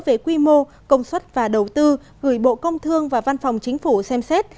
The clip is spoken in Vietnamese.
về quy mô công suất và đầu tư gửi bộ công thương và văn phòng chính phủ xem xét